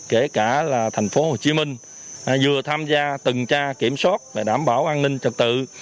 kể cả là thành phố hồ chí minh vừa tham gia từng tra kiểm soát để đảm bảo an ninh trật tự